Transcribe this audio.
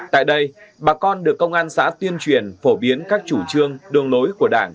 tại đây bà con được công an xã tuyên truyền phổ biến các chủ trương đường lối của đảng